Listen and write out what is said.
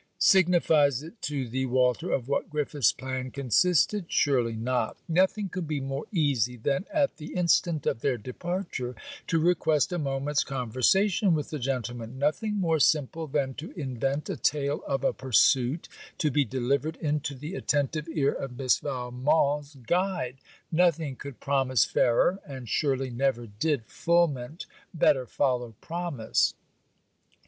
Signifies it to thee, Walter, of what Griffiths' plan consisted? Surely not. Nothing could be more easy than, at the instant of their departure, to request a moment's conversation with the gentleman; nothing more simple than to invent a tale of a pursuit, to be delivered into the attentive ear of Miss Valmont's guide: nothing could promise fairer, and surely never did fulment better follow promise.